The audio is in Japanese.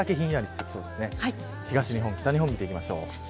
東日本、北日本を見ていきます。